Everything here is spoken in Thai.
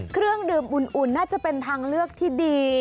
เครื่องดื่มอุ่นน่าจะเป็นทางเลือกที่ดี